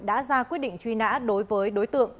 đã ra quyết định truy nã đối với đối tượng